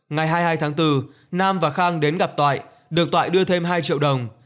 ngày hai mươi hai tháng bốn nam và khang đến gặp toại được toại đưa thêm hai triệu đồng